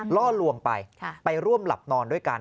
ล่อลวงไปไปร่วมหลับนอนด้วยกัน